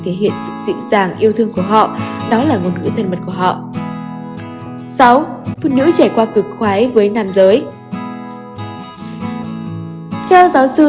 theo giáo sư